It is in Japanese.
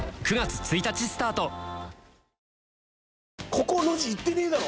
ここの路地行ってねえだろ！